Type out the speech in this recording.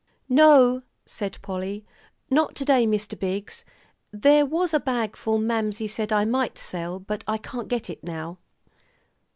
"No," said Polly, "not to day, Mr. Biggs. There was a bagful Mamsie said I might sell, but I can't get it now."